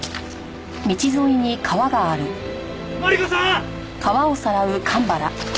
マリコさん！